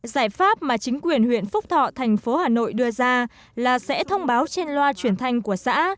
giải pháp mà chính quyền huyện phúc thọ thành phố hà nội đưa ra là sẽ thông báo trên loa truyền thanh của xã